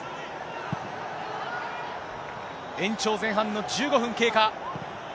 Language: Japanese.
延長前半の１５分経過。